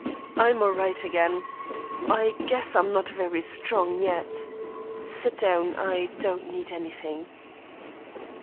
I'm all right again; I guess I'm not very strong yet. Sit down; I don't need anything."